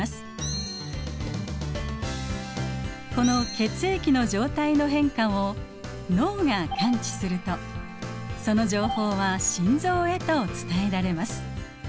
この血液の状態の変化を脳が感知するとその情報は心臓へと伝えられます。